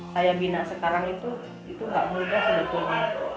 saya bina sekarang itu itu gak mudah sebetulnya